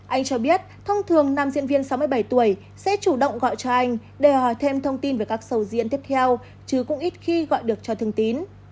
anh cho biết thông thường nam diễn viên sáu mươi bảy tuổi sẽ chủ động gọi cho anh để hỏi thêm thông tin về các sầu riêng tiếp theo chứ cũng ít khi gọi được cho thương tín